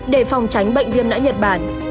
để phòng tránh bệnh viêm nã nhật bản